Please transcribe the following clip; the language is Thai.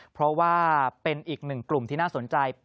เพราะว่าเป็นอีกหนึ่งกลุ่มที่น่าสนใจ